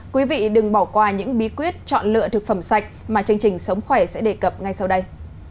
quý vị đừng bỏ qua những bí quyết chọn lựa thực phẩm sạch mà chương trình sống khỏe sẽ đề cập ngay sau đây